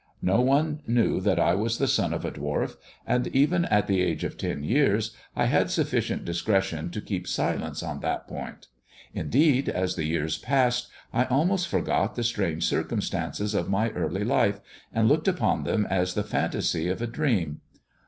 No one knew that I was the son of a dwarf, and even at the age of ten years I had sufficient discretion to keep silence on that point. Indeed, as the years passed I almost forgot the strange circumstances of my early life, and looked upon them as the fantasy of a dream.